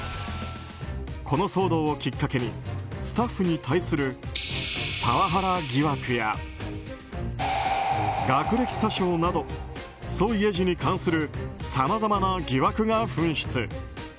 この騒動をきっかけにスタッフに対するパワハラ疑惑や学歴詐称などソ・イェジに関するさまざまな疑惑が噴出。